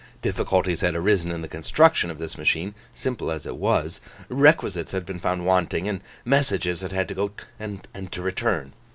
Difficulties had arisen in the construction of this machine, simple as it was; requisites had been found wanting, and messages had had to go and return.